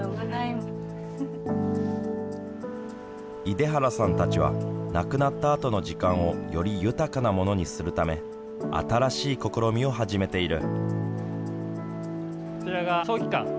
出原さんたちは亡くなったあとの時間をより豊かなものにするため新しい試みを始めている。